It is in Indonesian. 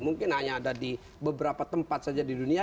mungkin hanya ada di beberapa tempat saja di dunia